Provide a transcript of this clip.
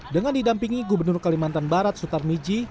dengan didampingi gubernur kalimantan barat sutar miji